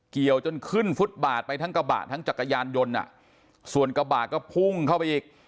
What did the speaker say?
เกี่ยวจนขึ้นฟุตบาทไปทั้งกระบะทั้งจักรยานยนต์อ่ะส่วนกระบะก็พุ่งเข้าไปอีก